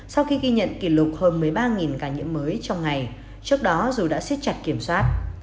sau khi ghi nhận kỷ lục hơn một mươi ba ca nhiễm mới trong ngày trước đó dù đã xiết chặt kiểm soát